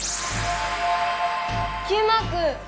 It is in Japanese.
Ｑマーク！